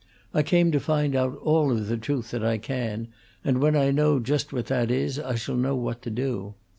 I came to find out all of the truth that I can, and when I know just what that is I shall know what to do.